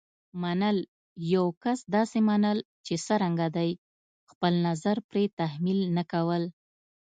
منل: یو کس داسې منل چې څرنګه دی. خپل نظر پرې تحمیل نه کول.